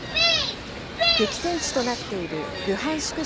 激戦地となっているルハンシク